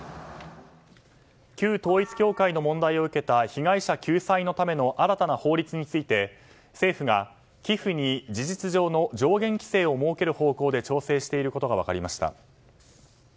旧統一教会の問題を受けた被害者救済のための新たな法律について、政府が寄付に事実上の上限規制を設ける方向で調整していることが分かりました。